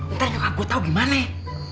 ntar gak gue tau gimana ya